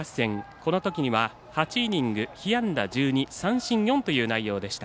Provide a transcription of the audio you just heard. このときには８イニング被安打１２、三振４という内容でした。